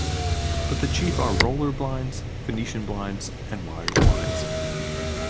But the chief are roller blinds, Venetian blinds, and wire blinds.